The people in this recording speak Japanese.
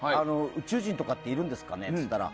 宇宙人とかっているんですかねって。